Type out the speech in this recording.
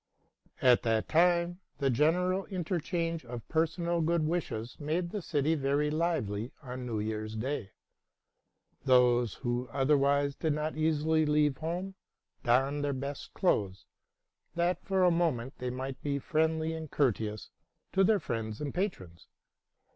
At that time the general interchange of personal good wishes made the city very lively on New Year's Day. 'Those who otherwise did not easily leave home, donned their best clothes, that for a moment they might be friendly and courteous to their friends and patrons.